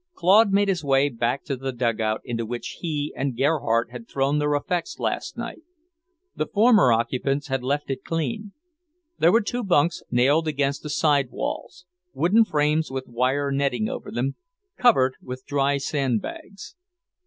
Claude made his way back to the dugout into which he and Gerhardt had thrown their effects last night. The former occupants had left it clean. There were two bunks nailed against the side walls, wooden frames with wire netting over them, covered with dry sandbags.